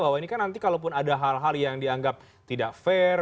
bahwa ini kan nanti kalau pun ada hal hal yang dianggap tidak fair